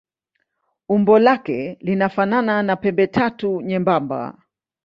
Umbo lake linafanana na pembetatu nyembamba.